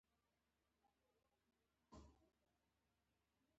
متلونه د ژبې ښایست او ګاڼه بلل کېږي